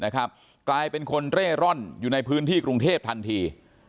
กลายเป็นคนเร่ร่อนอยู่ในพื้นที่กรุงเทพทันที